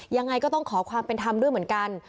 ยังไงก็ต้องขอความเป็นธรรมด้วยเหมือนกัน